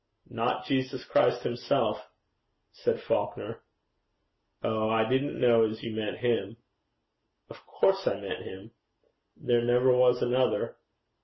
'Not Jesus Christ himself?' said Falconer. 'Oh! I didn't know as you meant him.' 'Of course I meant him. There never was another.'